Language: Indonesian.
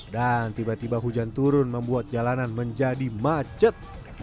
dan tiba tiba hujan turun membuat jalanan menjadi macet